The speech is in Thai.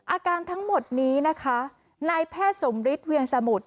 อาการทั้งหมดนี้นะคะนายแพทย์สมฤทธิเวียงสมุทร